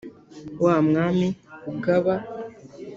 wa mwami ugaba